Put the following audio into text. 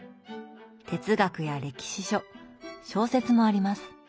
哲学や歴史書小説もあります。